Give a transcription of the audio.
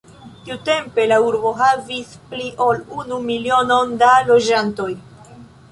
Tiutempe la urbo havis pli ol unu milionon da loĝantoj.